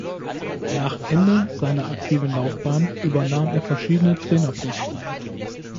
Nach Ende seiner aktiven Laufbahn übernahm er verschiedene Trainerposten.